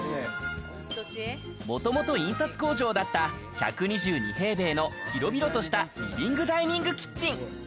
もともと印刷工場だった１２２平米の広々としたリビングダイニングキッチン。